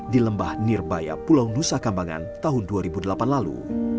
di lembah nirbaya pulau nusa kambangan tahun dua ribu delapan lalu